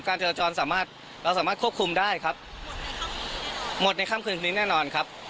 จราจรสามารถเราสามารถควบคุมได้ครับหมดในค่ำคืนนี้แน่นอนครับ